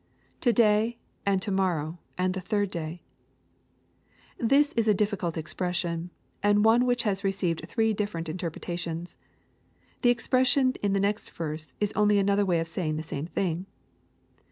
[To day, and io morrow^ and the third day,"] This is a difficult expression, and one which has received three different interpreta tions. The expression in the next verse is only another way of saying the same thing.